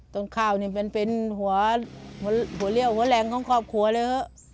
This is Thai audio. ตนข้าก็เป็นเหลี่ยวหัวแรงของครอบครัวเลยเหอะ